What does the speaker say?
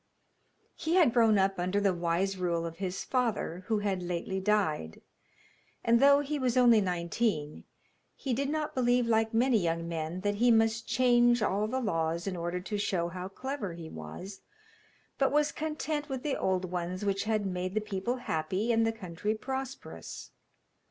He had grown up under the wise rule of his father, who had lately died, and though he was only nineteen, he did not believe, like many young men, that he must change all the laws in order to show how clever he was, but was content with the old ones which had made the people happy and the country prosperous.